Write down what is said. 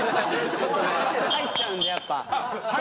入っちゃうんでやっぱ。